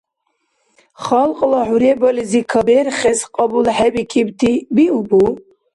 Халкьла хӏуребализи каберхес кьабулхӏебикибти биубу?